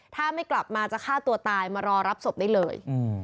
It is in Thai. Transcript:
ถ้าไม่กลับมาจะฆ่าตัวตายมารอรับศพได้เลย